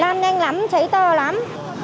lan nhanh lắm cháy to lắm